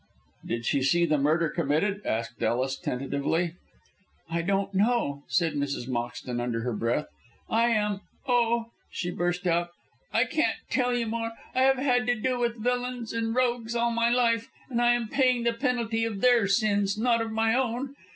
"Did she see the murder committed?" asked Ellis, tentatively. "I don't know," said Mrs. Moxton, under her breath. "I am oh," she burst out, "I can't tell you more. I have had to do with villains and rogues all my life, and I am paying the penalty of their sins, not of my own.